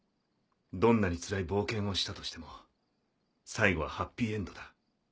どんなにつらい冒険をしたとしても最後はハッピーエンドだ。